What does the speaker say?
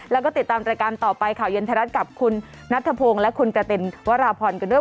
แล้วก็ติดตามรายการต่อไปข่าวเย็นไทยรัฐกับคุณนัทธพงศ์และคุณกระตินวราพรกันด้วย